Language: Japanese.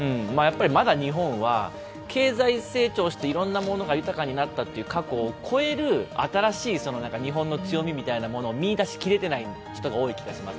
まだ日本は経済成長していろんなものが豊かになったという過去を超える新しい日本の強みみたいなものを見い出しきれていない人が多いと思います。